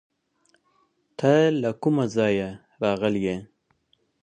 ته له کوم ځایه راغلی یې؟